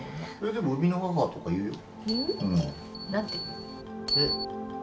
でも、生みの母とか言うよ。